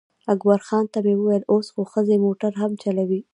اکبرخان ته مې وویل اوس خو ښځې موټر هم چلوي.